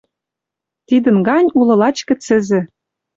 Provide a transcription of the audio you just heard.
Тидӹн ганьы улы лач кӹцӹзӹ